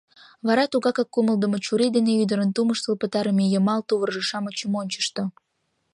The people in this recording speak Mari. Вара тугакак кумылдымо чурий дене ӱдырын тумыштыл пытарыме йымал тувыржо-шамычым ончышто.